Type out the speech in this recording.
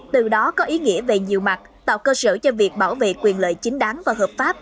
từ đó có ý nghĩa về nhiều mặt tạo cơ sở cho việc bảo vệ quyền lợi chính đáng và hợp pháp